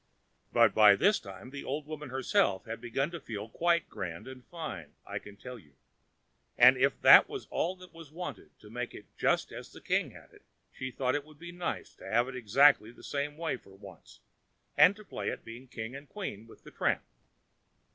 But by this time the old woman herself had begun to feel quite grand and fine, I can tell you; and if that was all that was wanted to make it just as the king had it, she thought it would be nice to have it exactly the same way for once, and play at being king and queen with the tramp.